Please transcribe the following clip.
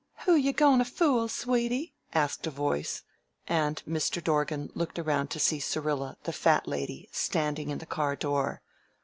"Who you goin' to fool, sweety?" asked a voice, and Mr. Dorgan looked around to see Syrilla, the Fat Lady, standing in the car door.